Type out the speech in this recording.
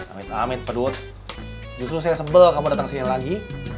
amit amin pedut justru saya sebel kamu datang kesini lagi